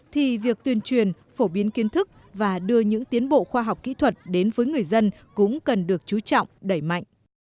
thì việc tuyên truyền phổ biến kiến thức và đưa những tiến bộ khoa học kỹ thuật đến với người dân cũng cần được chú trọng đẩy mạnh